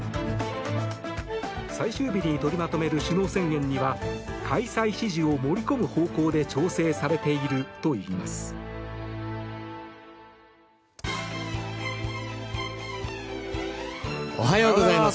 最終日に取りまとめる首脳宣言には開催支持を盛り込む方向で調整されているといいます。